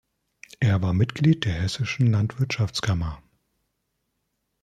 Er war Mitglied der hessischen Landwirtschaftskammer.